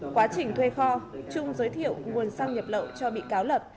quá trình thuê kho trung giới thiệu nguồn xăng nhập lậu cho bị cáo lập